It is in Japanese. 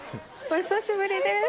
お久しぶりです。